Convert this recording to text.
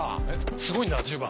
すごいんだ１０番。